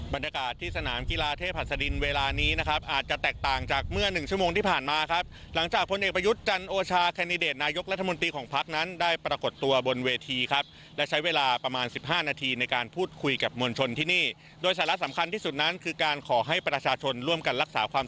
บรรยากาศที่สนามกีฬาเทพหัสดินเวลานี้นะครับอาจจะแตกต่างจากเมื่อหนึ่งชั่วโมงที่ผ่านมาครับหลังจากพลเอกประยุทธ์จันโอชาแคนดิเดตนายกรัฐมนตรีของพักนั้นได้ปรากฏตัวบนเวทีครับและใช้เวลาประมาณสิบห้านาทีในการพูดคุยกับมวลชนที่นี่โดยสาระสำคัญที่สุดนั้นคือการขอให้ประชาชนร่วมกันรักษาความ